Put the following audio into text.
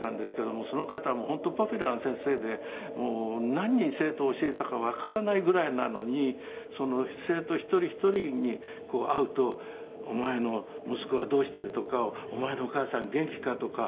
その方も本当ポピュラーな先生でもう何人生徒を教えたかわからないぐらいなのに生徒一人一人に会うと「お前の息子はどうしてる？」とか「お前のお母さん元気か？」とか。